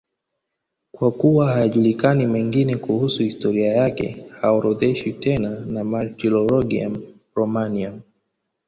Kwa kuwa hayajulikani mengine kuhusu historia yake, haorodheshwi tena na Martyrologium Romanum.